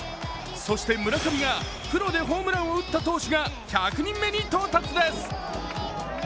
そして村上がプロでホームランを打った投手が１００人目に到達です。